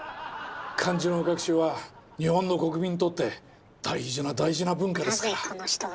漢字の学習は日本の国民にとって大事な大事な文化ですから。